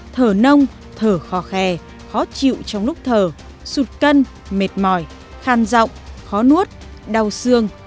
thở nông thở khò khè khó chịu trong lúc thờ sụt cân mệt mỏi khan rộng khó nuốt đau xương